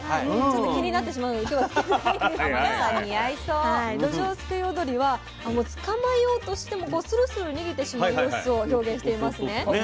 ちょっと気になってしまうので今日はつけてないんですがどじょうすくい踊りはつかまえようとしてもスルスル逃げてしまう様子を表現していますね。